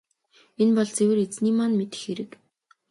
Энэ бол цэвэр Эзэний маань мэдэх хэрэг.